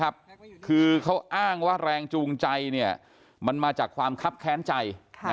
คือเขาอ้างว่าแรงจูงใจมันมาจากความคับแค้นใจ